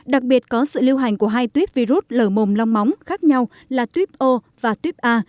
đặc biệt có sự lưu hành của hai tuyếp virus lở mồm long móng khác nhau là tuyếp ô và tuyếp a